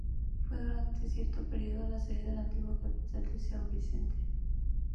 Fue durante cierto período, la sede de la antigua Capitanía de São Vicente.